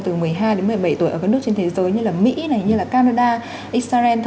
từ một mươi hai đến một mươi bảy tuổi ở các nước trên thế giới như là mỹ canada israel